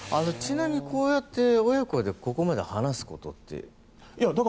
ちなみにこうやって親子でここまで話すことって？